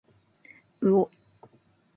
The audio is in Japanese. うお